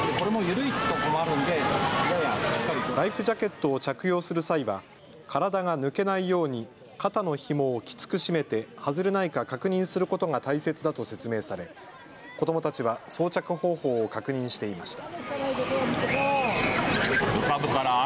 ライフジャケットを着用する際は体が抜けないように肩のひもをきつく締めて外れないか確認することが大切だと説明され子どもたちは装着方法を確認していました。